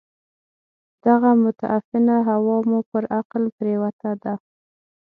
دغه متعفنه هوا مو پر عقل پرېوته ده.